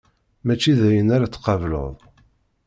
Mačči d ayen ara tqableḍ.